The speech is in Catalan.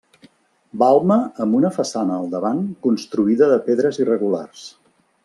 Balma amb una façana al davant construïda de pedres irregulars.